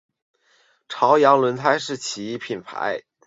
朝阳轮胎是其品牌。